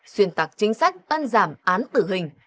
xuyên tạc chính sách ân giảm án tử hình